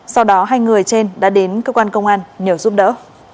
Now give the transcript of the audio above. sau đó hai người trên đã đến cơ quan công an nhờ giúp đỡ